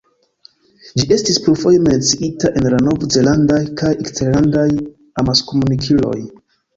Ĝi estis plurfoje menciita en la nov-zelandaj kaj eksterlandaj amaskomunikiloj.